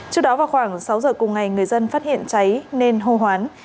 trước đó vào khoảng sáu giờ cùng ngày người dân phát hiện cháy nên hô hoán